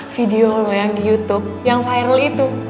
video loh yang di youtube yang viral itu